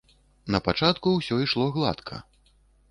Напачатку ўсё ішло гладка.